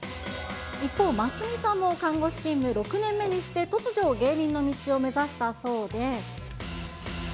一方、ますみさんも看護師勤務６年目にして、突如、芸人の道を目指したそうで。